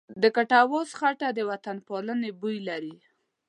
د کټواز خټه د وطنپالنې بوی لري.